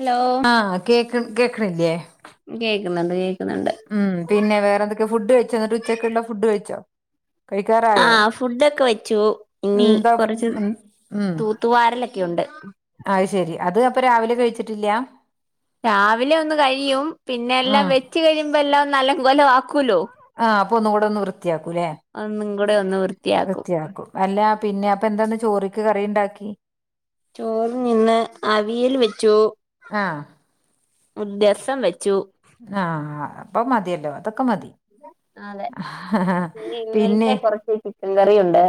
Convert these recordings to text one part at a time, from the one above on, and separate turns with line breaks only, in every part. Hello
ആ കേക്ക് കേക്കിണില്ലേ.
[unintelligible]
ഉം പിന്നെ വെറെന്തൊക്ക ഫുഡ് കഴിച്ചോ എന്നിട്ട് ഉച്ചക്കുള്ള ഫുഡ് കഴിച്ചോ.
ആ
കഴിക്കാറായോ
ഫുഡൊക്കെ വെച്ചു.
ഉം
ഇനി
എന്താ
കുറച്ച്
ഉം
തൂത്തുവാരലൊക്കെ ഉ ഉണ്ട്.
അയ് ശരി അത് അപ്പൊ രാവിലെ കഴിച്ചിട്ടില്ല.
രാവിലെ ഒന്ന് കഴിയും. പിന്നെ എല്ലാം
ഉം
വെച്ച് കഴിയുമ്പോ എല്ലാം നല്ലങ്കോലാ
ആ അപ്പൊ ഒന്ന് കൂടെ ഒന്ന് വൃത്തിയാക്കൂല്ലെ
ഒന്നും കൂടെ ഒന്ന്
വൃത്തിയാക്കും അല്ലാ പിന്നെ അപ്പൊ എന്താന്ന് ചോറിക്ക് കറി ഇണ്ടാക്കി
ചോറ് നിന്ന് അവിയൽ വെച്ചു
ആഹ്
ദസം വെ
ആ അപ്പൊ മതിയല്ലോ. അതൊക്കെ മതി.
അതെ ഇനി ഇന്നലത്തെ കൊറച്ച് ചിക്കൻ കറി ഉണ്ട്.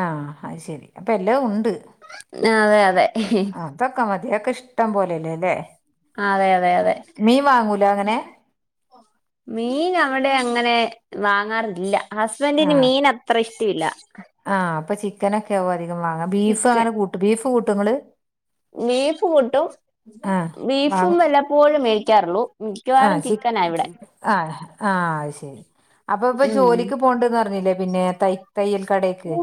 ആ അയ് ശരി അപ്പൊ എല്ലാം ഉണ്ട്.
അതെ അതെ
അതൊക്കെ മതിയൊക്കെ ഇഷ്ടം പോലെയല്ലേല്ലേ
അതെ അതെ അതെ
അങ്ങനെ
മീൻ അവിടെ അങ്ങനെ വാങ്ങാറില്ല ഹസ്ബൻ്റന്
ആഹ്
മീൻ അത്ര ഇഷ്ടയില്ല.
ചിക്കനൊക്കെയാ അധികം വാങ്ങാ. ബീഫ് അങ്ങനെ കൂട്ടും ബീഫ് കൂട്ടോങ്ങള്?
ബീഫ് കൂട്ടും
ആഹ്
ബീഫും വല്ലപ്പോഴും മേടിക്കാറുള്ളൂ.
ആ
മിക്കവാറും
ചിപ്പ്
ചിക്കനാ ഇവിടെ
ചിപ്പ് ആ ആ ശരി അപ്പൊ ഇപ്പൊ
ഉം
ജോലിക്ക് പോണ്ടന്ന് പറഞ്ഞില്ലെ പിന്നെ തൈ തയ്യൽ കടക്ക്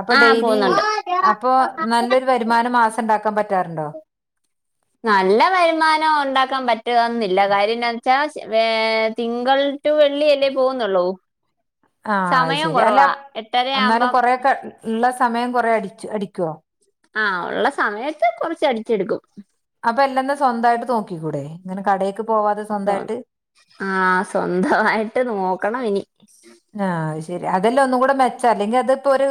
അപ്പൊ
ആ
ഡെയിലി
പോകുന്നുണ്ട്
അപ്പൊ നല്ലൊരു വരുമാനം മാസം ഉണ്ടാക്കാൻ പറ്റ്
നല്ല വരുമാനം ഉണ്ടാക്കാൻ പറ്റുന്നില്ല കാര്യം എന്താച്ചാ വേ തിങ്കൾ ടു വെള്ളി അല്ലേ പോകുന്നുള്ളു
ആ അയ് ശരി അല്ല
എട്ടര
എന്നാലും
ആവുമ്പം
കൊറെക്ക ഇള്ള സ സമയം കൊറെ അടിച്ച്, അടിക്കോ.
ആ ഉള്ള സമയത്ത് കൊറച്ച് അടിച്ചെടുക്കും.
അപ്പൊ എല്ലാം സ്വന്തയിട്ട് നോക്കിക്കൂടെ ഇങ്ങന കട
ആ സ്വന്തമായിട്ട് നോക്കണം ഇനി
ആഹ് അത് ശരി അതല്ലേ ഒന്നും കൂടെ മെച്ചം. അല്ലെങ്കിൽ അതിപ്പോ ഒരു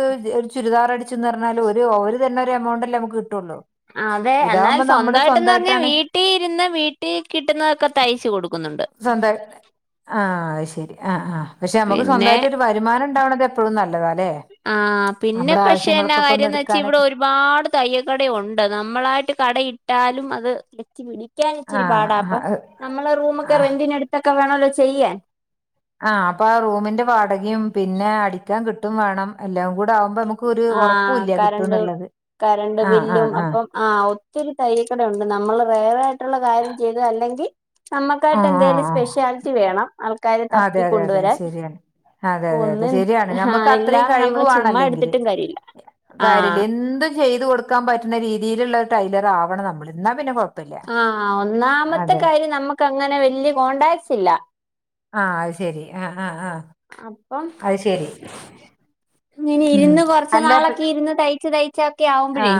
ചുരിദാർ അടിച്ചെന്ന് പറഞ്ഞാലും ഒരു ഓര്തന്ന എമോണ്ട് ല്ലേ. നമുക്ക് കിട്ടുള്ളൂ.
അതെ എന്നാൽ
ഇതാവുമ്പോ നമ്മള്
സ്വന്തയിട്ടന്ന് പറഞ്ഞാൽ
സ്വന്തായിട്ടാണ്
വീട്ടിൽ ഇരുന്ന് വീട്ടിൽ കിട്ടുന്നതൊക്കെ തൈച്ച് കൊടുക്കുന്നുണ്ട്.
സ്വന്ത ആ ശരി ആ ആ പക്ഷെ നമ്മക്ക്
പിന്നെ
സ്വന്തായ്ട്ടൊരു വരുമാനണ്ടാവണത് എപ്പഴും നല്ലതാലെ
ആ പിന്നെ പക്ഷെ എന്നാ കാര്യംന്ന് വെച്ച
എടുക്കാനൊക്കെ
ഇവടൊരുപാട് തയ്യക്കട ഉണ്ട് നമ്മളായിട്ട് കട ട്ടാലും അത് ക്ലച് പിടിക്കാനിച്ചിരി
ആഹ്
പാടാ അപ്പ
ആഹ്
നമ്മളെ റൂമൊക്കെ
ആഹ്
റെന്റിനെട്ത്ത [unintelligible] വെണോല്ലൊ ചെയ്യാൻ
ആ അപ്പാ റൂമിന്റെ വാടകിം പിന്നെ അടിക്കാൻ കിട്ടും വേണം എല്ലാം കൂടെ ആവുമ്പോ നമ
ആ കരണ്ട് കരണ്ട്
ആഹ് ആഹ്
ബില്ലും
ആഹ്
അപ്പം ആ ഒ ത്തിരി തയ്യക്കട ഉണ്ട് നമ്മള് റെയറായ്ട്ടുള്ള കാര്യം ചെയ്ത് അല്ലെങ്കി നമ്മക്കായ്ട്ട്
ആഹ്
എന്തേലും
ആഹ് ആഹ്
സ്പെഷ്യാലിറ്റി വേണം ആൾക്കാരെ
അതെ
തപ്പി
അതെ അതെ
കൊണ്ടുവരാൻ
ശെരിയാണ് അതെ അതെ അതെ
ഒന്നും
ശെരിയാണ് നമ്മക്ക്
ആഹ്
അത്രേം
ഇല്ലാതെ
കഴിവ്
നമ്മള്
വേണം
ചുമ്മാ
അല്ലെങ്കില്
എടുത്തിട്ടും കാര്യമില്ല
കാര്യല
ആഹ്
എന്തും ചെയ്തു കൊട്ക്കാൻ പറ്റ്ണ രീതീല്ള്ള ടൈ ലറാവണം നമ്മള് ന്നാ പിന്നെ കൊ
ആ ഒന്നാമത്തെ കാര്യം നമ്മക്കങ്ങനെ വല്ല്യ കോണ്ടാക്സില്ല.
ആ അയ് ശെരി അ അ അ
അപ്പം
അത്ശെരി
ഇങ്ങനെ ഇരുന്ന് കൊറച്ച് നാളൊക്കിര്ന്ന് തയ്ച്ച തയ്ച്ചൊക്കെ
ആ
ആവുമ്പഴേ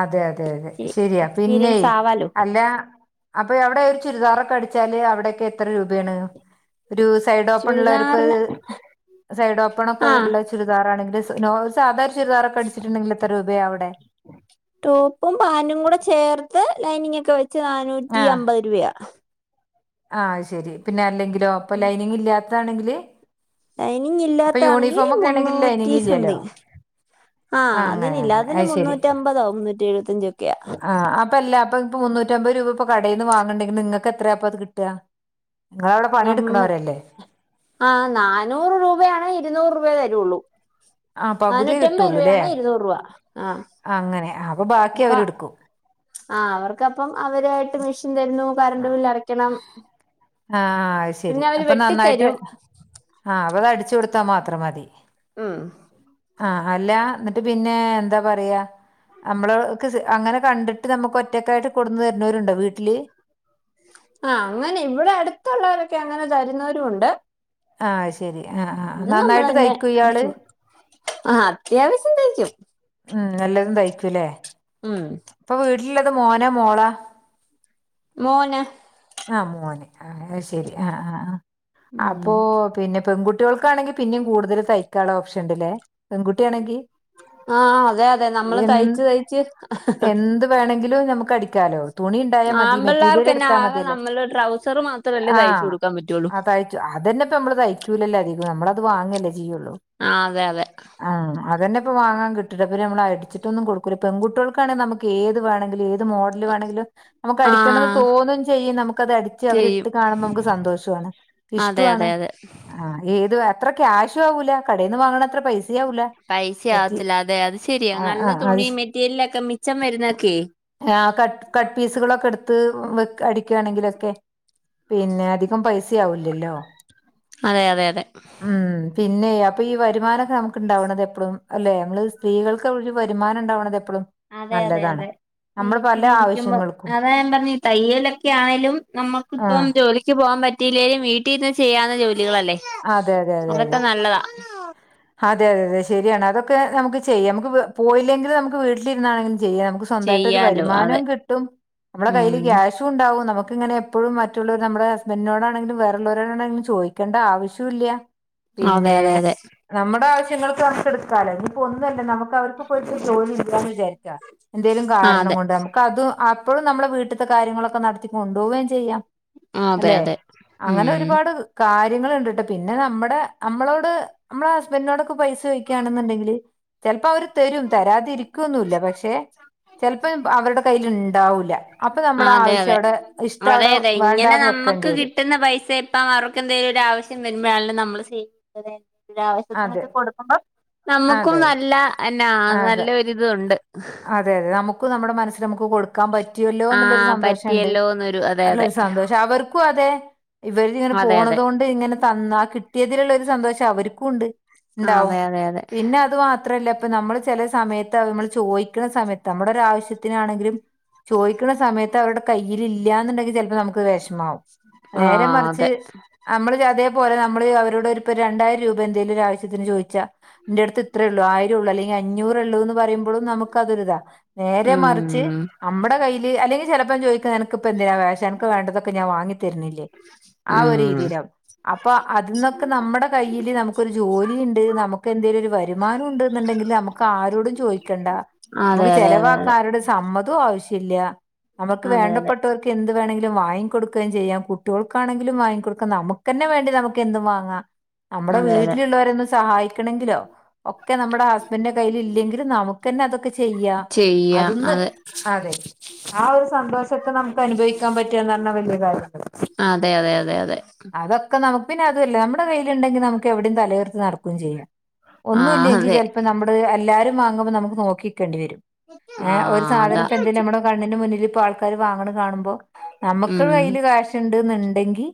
അതെ അതെ അതെ ശര്യാ പിന്നെ
എക്സ്പീരിയൻസ് ആവാലോ
അല്ല അപ്പൊ അവിടെ ഒരു ചുരിദാറൊക്കെ അടിച്ചാല് അവിടൊക്കെ എത്രരൂപയാണ് ഒരു സൈഡൊപ്പൺ ള്ള പ്പ്
ചുരിദാറിന്
സൈഡോപ്പണൊക്കെ
ആ
ള്ള ചുരുദാറാണെങ്കില് സ് നോ സാധ ര് ചുര്ദാറൊക്കെ അടിച്
ടോപ്പും പാന്റും കൂടെ ചേർത്ത് ലൈനിങ്ങൊക്കെ വെച് നാനൂറ്റി അമ്പത് രൂപയ
ആ ശെരി പിന്നെ അല്ലെങ്കിലോ അപ്പൊ ലൈനിങ്ങില്ലാത്താതാണെങ്കില്
ലൈനിങ്ങില്ലാത്താണെങ്കി മുന്നൂറ്റി
ലൈനിങ് ഇല്ലല്ലോ
സംതിങ് ആ
ആഹ് അങ്ങനെ
അതിനില്ല
അങ്ങനെ
അതിന് മുന്നൂറ്റമ്പതോ മുന്നൂറ്റെഴുപത്തഞ്ചൊക്ക്
ആ അപല്ല അപം പ്പൊ മുന്നൂറ്റമ്പത് രൂപപ്പൊ കടേന്ന് വാങ്ങ്ണ്ടെങ്കി നിങ്ങക്കെത്രയാപ്പൊ കിട്ടാ?
നമ്മ ആ നാനൂറ് രൂപയാണെ ഇരുന്നൂറ് രൂപേ തരൊള്ളൂ
ആഹ് പകുതിയേ
നാനൂറ്റമ്പത്
കിട്ടുള്ളൂല്ലേ
രൂവയാണ് ഇരുന്നൂറ് രൂവ
അങ്ങനെ അ
പ്പ ആ അവർക്കപ്പം, അവരായ്ട്ട് മിഷിൻ തരുന്നു കരണ്ട് ബില്ലടക്കണം
ആഹ് അത് ശരി
പിന്നവര് വെട്ടിത്തരും
അവത് അടിച്ച് കൊടുത്താ മാത്രം മതി
ഉം
അ അല്ല ന്ന്ട്ട് പിന്നെ എന്താ പറയാ നമ്മള് ക് അങ്ങനെ കണ്ട്ട്ട് നമ്മക്ക് ഒറ്റക്കായിട്ട് കൊടുന്ന് തരുന്നോരുണ്ടാ വീട്ടില്.
ആ അങ്ങനെ ഇവടെ അടുത്തുള്ളവരൊക്കെ അങ്ങനെ തരുന്നവരുണ്ട്
ആ ശെരി അ അ നന്നായ്ട്ട്
തന്നെ
തയ്ക്കൊ
അടിച്ചു
ഇയാള്?
കൊടുക്കും ആ അത്യാവശ്യം തയ്ക്കും
ഉം എല്ലതും തയ്ക്കു ലെ
ഉം
ല്ലത് മോനാ മോളാ?
മോന്.
അ മോന് അ ശരി അ അ അ
ഉം
അപ്പൊ പിന്നെ പെൺകുട് ട്ട്യോൾക്കാണെങ്കി പിന്നിം കൂടുതൽ തയ്ക്കാള്ള ഓപ്ഷൻ ണ്ട് ലെ പെൺകുട്ട്യാണെങ്കി
ആ അതെ അതെ നമ്മള്
എൻ
തയ്ച്ച് തയ്ച്ച്
എന്ത് വേണെങ്കിലും നമക്കടിക്കാലോ തുണി ണ്ടായാ മതി
ആമ്പിള്ളേർക്ക് തന്നെ
മെറ്റീര്യലടുത്താ
ആകെ
മതിയല്ലേ.
നമ്മള് ട്രൗസർ മാത്രല്ലേ
ആ
തയ്ച്ചു കൊടുക്കാൻ പറ്റുള്ളൂ
അ തയ്ച്ചു അതന്നെപ്പമ്മള് തയ്ക്കൂലല്ലധികു നമ്മളെ വാങ്ങല്ലേ ചെയൊള്ളൂ
ആ അതെ അതെ
അ അതെന്നെ പ്പൊ വാങ്ങാകിട്ട്ലെ പ്പ നമ്മളടിച്ചിട്ടൊന്നും കൊടുക്കൂല പെൺകുട്ട്യാൾക്കാണെ നമക്ക് ഏത് വേണെങ്കിലു ഏ ത് മോടല് വേണെങ്കിലും
ആ
നമക്കടിക്കണന്ന് തോന്നും ചെയ്യും നമുക്കത് അടിച്ച്
ചെയ്യും
അവരിട്ട് കാണുമ്പോ നമുക്ക് സന്തോഷൊണ്.
അതെ അതെ അതെ
ആ ഏത് വെ ത്ര ക്യാഷ്യു ആവൂല കടേന്ന് വാങ്ങണത്ര പൈസ്
പൈസ ആവത്തില്ല അതെ അത് ശെരിയാ നല്ല തുണി മെറ്റീരിയലക്കെ.
ആ കട്ട് കട്ട് പീസുകളൊക്കെ എടു ത് വെക് അടിക്കണെങ്കിലൊക്കെ പിന്നെധികം പൈസയാവൂല്ലല്ലോ
അതെ അതെ അതെ
മ് പി പിന്നെ അപ്പൊയീ വരുമാനക്കെ നമുക്ക്ണ്ടാവണതെപ്പളും അല്ലേ അമ്മള് സ്ത്രീകൾക്കൊരു വരുമാനണ്ടാവണതെപ്പളും
അതെയതെയതെ. വീട്ടിലിരിക്കുമ്പ
ആവശ്യങ്ങൾക്കും
അതായാമ്പറഞ്ഞെയി തയ്യലക്കെയായലും
ആ
നമ്മുക്കിപ്പം ജോലിക്ക് പോം പറ്റീല്ലേലും വീട്ടിന്ന് ചെയ്യാന്ന ജോലികളല്ലേ അങ്ങത്തെ നല്ലതാ.
അതെയതെതെ ശെരിയാണ് അതൊക്കെ നമുക്ക് ചെയ്യാം നമുക്ക് വ് പോയില്ലെങ്കില് നമുക്ക് വീട്ടിലിരുന്നാണെ ചെയ്യ മ്ക്ക് സ്വന്തായിട്ടൊരു
ചെയ്യാലോ അതെ
വരുമാനൊം കിട്ടും നമ്മള കയ്യില്
ഉം
ക്യാഷുണ്ടാവും നമ ക്ക്ങ്ങനെ എപ്പോഴും മറ്റുള്ളൊര് നമ്മടെ ഹസ്ബനോടാണെങ്കിലും വേറൊള്ളൊരോടാണെങ്കിലും ചോയ്ക്കേണ്ടാവശ്യോല്ല.
അതെയതെയതെ.
നമ്മടാവശ്യങ്ങൾക്ക് നമുക്കെടുക്കാലോ ഇനിപ്പോന്നുവല്ല നമു അവർക്ക്പ്പ [unintelligible] ജോലി ഇല്ലന്ന് വിചാരിക്ക ന്തെലും
ആ
കാരണം
അതെ
കൊണ്ട് നമുക്ക് അത് അപ്പോളും നമ്മടെ വീട്ടിത്തെ കാര്യങ്ങളൊക്കെ നടത്തികൊണ്ടോവം ചെയ്യാം.
ആ അതെ
അല്ലെ
അതെ
അങ്ങനെ
ഉം
ഒരുപാട് കാ ര്യങ്ങള്ണ്ട്ട്ട പിന്ന നമ്മട അമ്മളോട് നമ്മളെ ഹസ്ബൻഡ്നോടൊക്കെ പൈസ ചോയ്ക്കാണെന്നുണ്ടെങ്കില് ചെലപ്പോ അവര് തരും തരാതിരി ക്കൊന്നുല്ല പക്ഷെ ചെലപ്പോ അവരടെ കയ്ൽ ണ്ടാവൂല അപ്പ
ആ
നമ്മടെ
അതെ അതെ
ആവശ്യവ്ടെ
അതെ
ഇഷ്ടവ്ടെ
അതെ
വേണ്ടാന്ന് വെക്കണ്ടി വരും.
പ്പവർക്കന്തേലും ഒരു ആവശ്യം വരുമ്പോഴാണേലും നമ്മള് [unintelligible]
അതെ
ആവശ്യത്തിനൊക്കെ കൊടുക്കുമ്പാ നമ്മുക്കും
അതെ
നല്ല എന്നാ
അതെ
നല്ല ഒരിതൊണ്ട്.
[unintelligible] നമ്മടെ മനസ്സ് കൊടുക്കാം
ആ
പറ്റ്യല്ലോന്നൊള്ളൊരു സന്തോഷണ്ട്
പറ്റിയല്ലോന്നൊരു അതെ അതെ
നല്ലൊരു സന്തോഷം അവർക്കും അതെ ഇവരിങ്ങനെ
അതെ അതെ
പോണതൊണ്ട് ഇങ്ങനെ തന്നാ കിട്ടിയതിലുള്ള ഒരു സന്തോഷം അവര്ക്കും ഉണ്ട്. ഇണ്ടാവും
അതെ അതെ അതെ
പിന്നത് മാത്രല്ല. പ്പ നമ്മള് ചെലെ സമയത്ത് നമ്മൾ ചോദിക്കണ സമയത്ത് നമ്മടൊരാവശ്യത്തിനാണെങ്കിലും. ചോയ്ക്കണ സമയത്ത് അവരുടെ കയ്യിൽ ഇല്ല്യാന്നുണ്ടെങ്കി ചെലപ്പോ നമുക്കത് വെഷമാവും.
ആ
നേരെ മറിച്ച്
അതെ
അമ്മള് [unintelligible] പോല നമ്മള് അവരോടൊരിപ്പ രണ്ടായിരം രൂപന്തെലും ഒരാവശ്യത്തിന് ചോയ്ച്ചാ ന്റെടുത്ത്ത്രേള്ളൂ ആയി ള്ളു അല്ലെങ്കി അഞ്ഞൂറൊള്ളൂന്ന് പറയുമ്പോളും നമുക്കതൊരിതാ നേരെ മറിച്ച്
ഉം
അമ്മടെ കയ്യില് അല്ലെങ്കി ചെലപ്പം ചോദിക്ക നിനക്ക്പ്പെന്തിന വേഷ അനക്ക് വേണ്ടതൊ ക്ക ഞാ വാങ്ങി തരുന്നില്ലേ ആ
ഉം
ഒരീതീല അപ്പൊ അതിന്നൊക്കെ നമ്മടെ കയ്യില് നമുക്കൊരു ജോലിണ്ട് നമക്ക് എന്തേലൊരു വരുമാനണ്ട് ണ്ടെങ്കില് അമ്ക്ക് ആരോടും ചോയ്ക്കണ്ട
അതെ
അമ്ക്ക്
അതെ അതെ അതെ
ചെലവാക്കാരോടും സമ്മതോ വശല്ല്യ നമുക്ക്
അതെ അതെ
വേണ്ടപ്പെട്ടോർക്ക് എന്ത് വേണെ ലും വാങ്ങിക്കൊടുക്കേം ചെയ്യാം കുട്ട്യോൾക്കാണെങ്കിലും വാങ്ങിക്കൊടുക്കാ നമുക്കന്നെ വേണ്ടി നമുക്ക് എന്തും വാങ്ങാം. നമ്മടെ
അതെ അതെ
വീട്ടില്ള്ളവരെന്ന് സഹായിക്കണെങ്കിലോ ക്കെ നമ്മടെ ഹസ്ബന്റെ കയ്യിലില്ല്യെങ്കില് നമ്ക്കന്നതൊക്കെ ചെയ്യാ.
ചെയ്യാം
അതൊന്ന്
അതെ
അതെ ആ ഒരു സന്തോഷക്ക നമുക്ക് അനുഭവിക്കാൻ പറ്റാന്നറഞ്ഞ വല്യ കാര്യ
അതെ അതെ അതെ അതെ
അതൊക്കെ നമുക്ക് പിന്നെതുവല്ല മ്മടെ കയ്യില്ണ്ടെങ്കി നമുക്കെവിടെം തലയൊർതി നടക്കൂം ചെയ്യാം
ആ
ഒന്നുല്ലെ ങ്കി
അതെ
ചെലപ്പോ നമ്മട് എല്ലാരും വാങ്ങുമ്പോ നമുക്ക് നോക്കിക്കേണ്ടി വരും. ഏ
ആ
ഒരു സാധനം
അതാ
ഇപ്പെന്തേലും മ്മടെ കണ്ണിന് മുന്നിലിപ്പൊ ആൾക്കാര് വാങ്ങണ് കാണുമ്പോ നമ്മുക്ക്
ഉം
കയ്യില് കാശ് ണ്ട്ന്ന്ണ്ടെങ്കി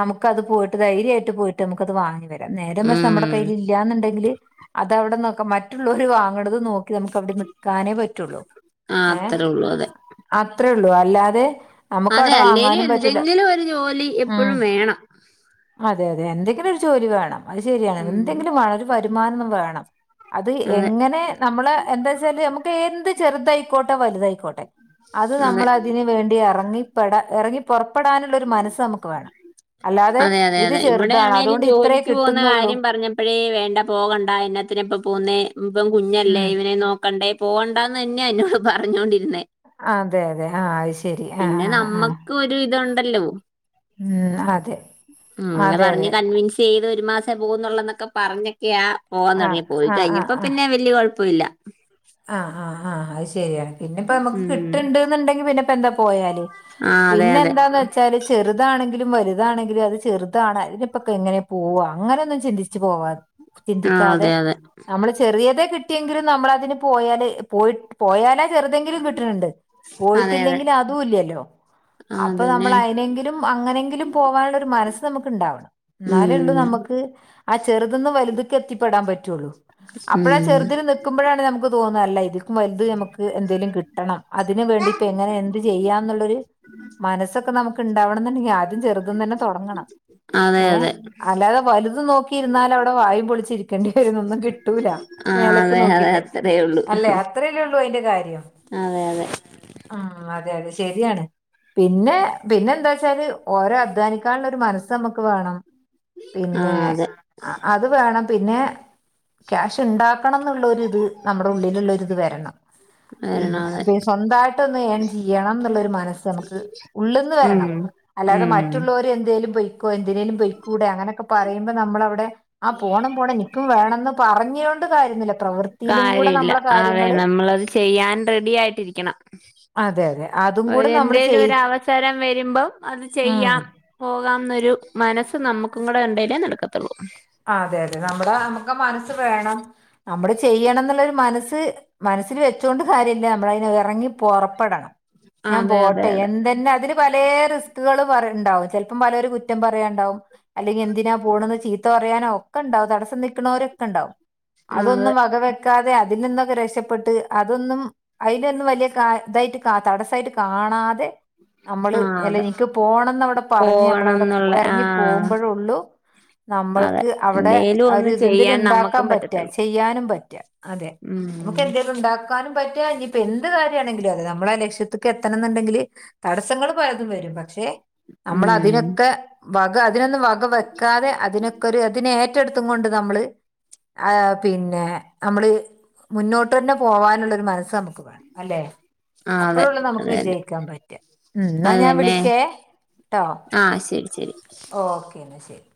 നമുക്കത് പോയിട്ട് ധൈര്യായ്ട്ട് പോയിട്ട് നമുക്കത് വാങ്ങ നേര മറിച്ച് നമ്മടെ
ഉം
കയ്യിലില്ല്യാന്നുണ്ടെങ്കില് അതവിടെ നോക്ക മറ്റുള്ളോര് വാങ്ങണത് നോ നമുക്കവിടെ നിക്കാനേ പറ്റുള്ളൂ
ആ
ഏ
അത്രേ ഉള്ളൂ അതെ
അത്രേള്ളൂ അല്ലാതെ നമുക്ക്
അതെ
അവിടെ
അല്ലേലും
വാങ്ങാനും പറ്റില്ല
എന്തെങ്കിലും ഒരു ജോലി
ഉം
എപ്പോഴും വേണം.
അതെ അതെ എന്തെങ്കിലും ഒരു ജോലി വേണം അത് ശരിയാണ്
ഉം
എന്തെങ്കിലും വേണം ഒരു വരുമാനം ഒന്ന് വേണം. അത്
അതെ
എങ്ങനെ നമ്മള് എന്താച്ചാല് നമുക്ക് എന്ത് ചെറുതായിക്കോട്ടെ വല തായിക്കോട്ടെ അത്
അതെ
നമ്മളതിന് വേണ്ടി എറങ്ങിപെടാ എറങ്ങി പോറ [unintelligible] പ്പെടാനുള്ള ഒരു മനസ്സ് അമ്മക്ക് വേണം അല്ലാതെ ഇത്
അതെയതെയതെ. ഇവിടെ
ചെറുതാണ്.
ആണേലും
അതുകൊണ്ട് ഇത്രേ
ജോലിക്ക് പോന്ന
കിട്ടുന്നുള്ളൂ.
കാര്യം പറഞ്ഞപ്പഴേ വേണ്ട പോകണ്ട എന്ന ത്തിനപ്പ പോന്നേ ഇവം കുഞ്ഞല്ലേ
ഉം.
ഇവനെ നോക്കണ്ടേ പോവണ്ടാന്ന് തന്നെയാന്നോട് പറഞ്ഞൊണ്ടിരുന്നേ
അതെയതെ ആ അത് ശരി ആ ആ ആ
ണ്ടല്ലോ [unintelligible]
ഉം ആ [unintelligible]
പറഞ് കൺവിൻസയ്ത് ഒരു മാസെ പോകുന്നുള്ള ന്നൊക്കെ പറഞ്ഞൊക്കെയാ പോവാാൻ
ആ,
തോടങ്ങി പോയി
ആ, ആ,
കഴിഞ്ഞപ്പോ
ആ.
പിന്നെ വല്യ കൊയപ്പെല്ല്യ
ആഹ് ആഹ് [unintelligible] പിന്നെ ഇപ്പമ്മക്ക്
ഉം
കിട്ടണ്ട്ന്നുണ്ടെങ്കി പിന്നെ ഇപ്പ എന്താ പോയാല്
ആ അതെ
പിന്നെ
അതെ
എന്താന്ന് വെച്ചാല് ചെറുതാണെങ്കിലും വ താണെിലും അത് ചെറുതാണ് അതിനിപ്പൊക്കെ എങ്ങനെയെ പോവാ അങ്ങനൊന്നും ചിന്തിച്ച് പോവാ
ആ
ചിന്തിക്കാതെ
അതെ അതെ
നമ്മള് ചെറിയതെ കിട്ടിയെങ്കിലും നമ്മള അതിന് പോയാല് പോയി പോയാല ചെറുതെങ്കിലും കിട്ട്ണ് ണ്ട്
അതെ അതെ
പോയിട്ടില്ലെങ്കിൽ അതുംല്ലല്ലോ അപ്പൊ
അതന്നെ
നമ്മള് അയിനെങ്കിലും അങ്ങനെങ്കിലും പോവാനുള്ളരു മനസ്സ് നമുക്ക് ഉണ്ടാവണം എന്നാലേള്ളൂ
ഉം
നമക്ക് [unintelligible] ആ ചെറുത് ന്ന് വലുത് ക്ക് എത്തിപ്പെടാൻ പറ്റുള്ളൂ അപ്പോഴ
ഉം
ചെറുതിൽ നിക്കുമ്പോഴാണ് നമ തോന്ന അല്ല ഇത് വലുത് നമുക്ക് എന്തെലും കിട്ടണം അതിന് വേണ്ടി ഇപ്പ എങ്ങനെ എന്ത് ചെയ്യാംന്നുള്ളൊരു മനസ്സൊക്കെ നമുക്ക്ണ്ടാവണം ന്നുണ്ടെങ്കിൽ ആദ്യം ചെറ്ത് ന്ന്ന്നെ തൊടങ്ങണം
അതെ
ഏ
അതെ
അല്ലാതെ വലുത് നോക്കിയിരുന്നാലവിടെ വായും പൊളിച്ചിരിക്കേണ്ടി വരുന്നൊന്നും കിട്ടൂല
ആ
മേലക്ക്
അതെ അതെ
നോക്കിട്ട്
അത്രേ ഉള്ളൂ
അല്ലെ അത്രേല്ലേ ള്ളൂ അയിന്റെ കാര്യം
അതെ അതെ
ആ അതെ അതെ ശരിയാണ് പിന്നെ പിന്നെന്താ ച്ചാല് ഓരോ അധ്വാന ക്കാള ഒരു മനസ്സ അമമക്ക് വേണം
ആ
പിന്നെ
അതെ
അത് വേണം പിന്നെ ക്യാഷ് ണ്ടാക്കണം എന്നുള്ളരിത് നമ്മുടെ ഉള്ളിലുള്ളരി ത് വെരണം
വരണം അതെ
പിന്നെ സ്വന്തയിട്ടൊന്ന് എൻ ചെയ്യണം ന്നുള്ളരു മനസ്സ് നമുക്ക് ഉള്ള് ന്ന്
ഉം
വരണം അല്ലാതെ
ഉം
മറ്റുള്ളോര് എന്തിനേലും പൊയ്ക്കോ എന്തിനേലും പൊയ് ക്കൂടെ അങ്ങനൊക്കെ പറയുമ്പോ നമ്മളവിടെ ആ പോണം പോണം നിക്കും വേണംന്ന് പറഞ്ഞോണ്ട് കാര്യുന്നില്ല [unintelligible]
കാര്യല്ല അതെ നമ്മളത് ചെയ്യാൻ റെഡി ആയിട്ടിരിക്കണം [unintelligible]
അതെ അതെ അതും കൂടെ നമ്മൾ
എന്തേലും
ചെയ്
ഒരു അവസരം വരുമ്പം അത്
ഉം
ചെയ്യാം പോകാം ഒരു മനസ്സ് നമുക്കും കൂടെ ഉണ്ടേലെ നടക്കത്തുള്ളൂ
ആ അതെ അതെ നമ്മുടെ മനസ് വേണം നമ്മള് ചെയ്യണം ന്നുള്ളരു മനസ് മനസ്സില് [unintelligible] ച്ചൊണ്ട് കാര്യല്ല നമ്മളയിന് എറങ്ങി പൊറപ്പെടണം ഞാൻ
അതെ അതെ
പോട്ടെ
അതെ
എന്തെന്നെ അതില് പല റിസ് [unintelligible] പറിണ്ടാവും ചിലപ്പോം പലര് കുറ്റം പറയണ്ടാവും അല്ലെങ്കിൽ എന്തിനാ പോണന്ന് [unintelligible] [unintelligible] ഒക്കെ ണ്ടാവും തടസം നിക്കുന്നരൊക്കെ ണ്ടാവും
ആ
അതൊന്നും
അതെ
വക വെക്കാതെ [unintelligible] അതിൽ നിന്നൊക്കെ രക്ഷപ്പെട്ട് അതൊന്നും അയിലൊന്നും വലിയ [unintelligible] തായിട്ട് തടസ്സായിട്ട് കാണാതെ നമ്മള്
ആ
എല്ല
അതെ
നിക്ക് പോണംന്ന് അവിടെ പറഞ്ഞ്
പോകണം
നമ്മളവിടെ
എന്നുള്ള ആ
ഇറങ്ങി പോകുമ്പോഴള്ളു
അതെ
നമ്മൾക്ക് അവടെ
എന്തേലും
ഒരു
ഒന്ന്
ഇതെന്തേലും
ചെയ്യാൻ
ണ്ടാക്കാൻ
നമ്മുക്കും
പറ്റാ
പറ്റത്തുള്ളൂ
ചെയ്യാനും പറ്റാ അതെ നമുക്ക്
ഉം
എന്തെലും ണ്ടാക്കാനും പറ്റ ഇനിയിപ്പൊ എന്ത് കാര്യണെങ്കിലും അതെ നമ്മളെ ലക്ഷ്യത്തക്ക് എത്തണം ന്നുണ്ടെങ്കിൽ തടസ്സങ്ങൾ പലതും വരും പക്ഷെ നമ്മൾ
ഉം
അതിനൊക്കെ വക അതിനൊന്നും വക വെക്കാതെ അതിനൊക്കെ ഒരു അതിനെ ഏറ്റെടുത്തും കൊണ്ട് നമ്മള് ആ പിന്നെ നമ്മള് മുന്നോട്ടന്നെ പോവാനുള്ളരു മനസ് നമുക്ക് വേണം അല്ലെ
ആ അതെ
അപ്പോയുള്ളു നമുക്ക്
അതന്നെ
വിജയിക്കാൻ പറ്റാ ഉം ന്നാ ഞാൻ
അതന്നെ
വിളിക്കേ ട്ടോ
ആ ശരി ശരി
ഓക്കേ ന്നാ ശരി